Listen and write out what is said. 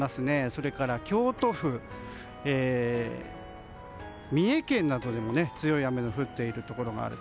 それから、京都府三重県などでも強い雨が降っているところがある。